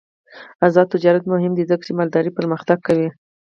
آزاد تجارت مهم دی ځکه چې مالداري پرمختګ کوي.